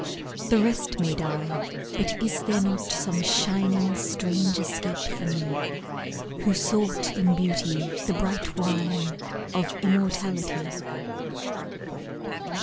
The rest may die but is there not Some shining strange escape for me Who sought in Beauty the bright wine Of immortality?